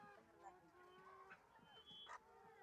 এভাবে চিল্লানো লাগে!